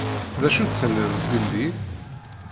D acu i d-tenniḍ zgelli?